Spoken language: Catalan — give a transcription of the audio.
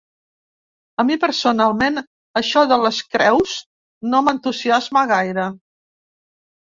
A mi personalment, això de les creus no m’entusiasma gaire.